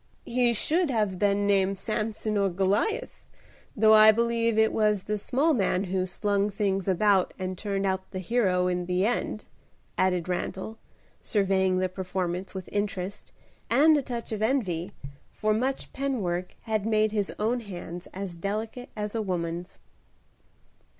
"He should have been named Samson or Goliath; though I believe it was the small man who slung things about and turned out the hero in the end," added Randal, surveying the performance with interest and a touch of envy, for much pen work had made his own hands as delicate as a woman's.